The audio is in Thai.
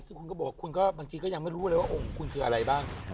ซึ่งคุณก็บอกว่าคุณก็บางทีก็ยังไม่รู้เลยว่าองค์คุณคืออะไรบ้าง